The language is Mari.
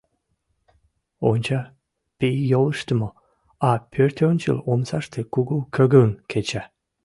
Онча: пий йолыштымо, а пӧртӧнчыл омсаште кугу кӧгӧн кеча.